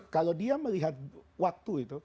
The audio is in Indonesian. kalau dia melihat waktu itu